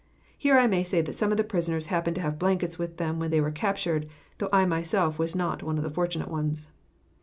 Here I may say that some of the prisoners happened to have blankets with them when they were captured, though I myself was not one of the fortunate ones.